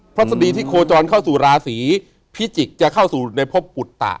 ฤษฎีที่โคจรเข้าสู่ราศีพิจิกษ์จะเข้าสู่ในพบปุตตะ